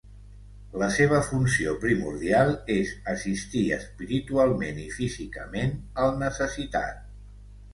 La seva funció primordial és assistir espiritualment i físicament al necessitat.